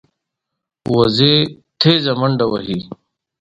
وزې تېزه منډه وهي